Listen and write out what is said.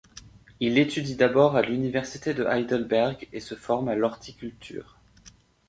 Il étudie d'abord à l'université de Heidelberg et se forme à l'horticulture.